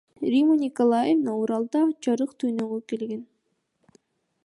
Римма Николаевна Уралда жарык дүйнөгө келген.